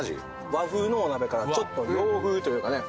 和風のお鍋からちょっと洋風というかね